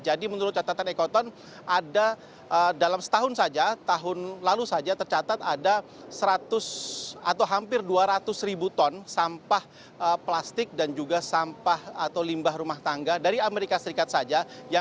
jadi menurut catatan ekoton ada dalam setahun saja tahun lalu saja tercatat ada seratus atau hampir dua ratus ribu ton sampah plastik dan juga sampah atau limbah rumah tangga dari amerika serikat saja